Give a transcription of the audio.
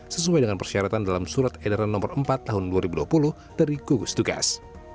sesuai dengan persyaratan dalam surat edaran no empat tahun dua ribu dua puluh dari gugus tugas